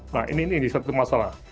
nah ini satu masalah